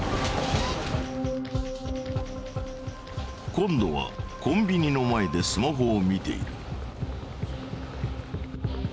今度はコンビニの前でスマホを見ている。